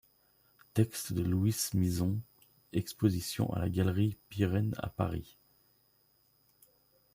Texte de Luis Mizon, exposition à la Galerie Biren à Paris.